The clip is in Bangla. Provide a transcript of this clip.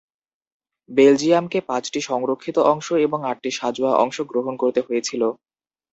বেলজিয়ামকে পাঁচটি সংরক্ষিত অংশ এবং আটটি সাঁজোয়া অংশ গ্রহণ করতে হয়েছিল।